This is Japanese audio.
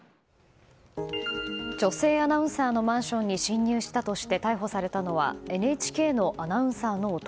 女性アナウンサーのマンションに侵入したとして逮捕されたのはＮＨＫのアナウンサーの男。